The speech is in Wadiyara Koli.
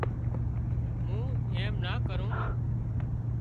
مون ايم نين ڪرون